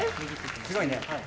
すごいね。